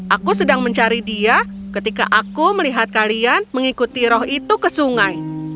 aku sedang mencari dia ketika aku melihat kalian mengikuti roh itu ke sungai